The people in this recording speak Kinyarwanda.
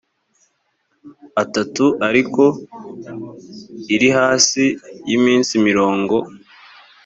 itatu ariko iri hasi y’iminsi mirongo